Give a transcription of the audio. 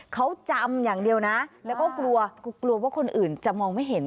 เขาจำอย่างเดียวนะแล้วก็กลัวกลัวว่าคนอื่นจะมองไม่เห็น